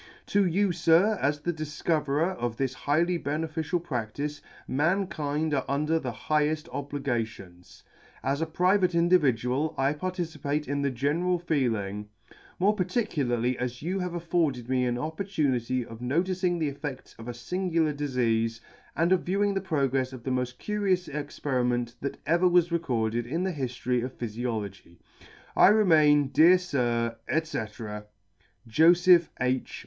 " To you, Sir, as the difcoverer of this highly beneficial practice, mankind are under the higheft obligations. As a private C '59 ] private individual, I participate in the general feeling; more particularly as you have afforded me an opportunity of noticing the effe'dts of a fingular difeafe, and of viewing the progrefs of the mofl; curious experiment that ever was recorded in the Hiftory of Phyfiology. " I remain, Dear Sir, &c. " Joseph H.